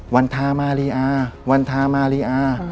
วันธามาริยาวันธามาริยา